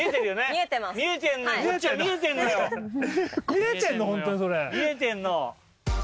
見えてんの。